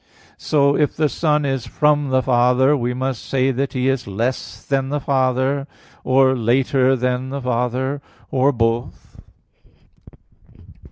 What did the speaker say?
So if the Son is from the Father, we must say that He is less than the Father, or later than the Father, or both.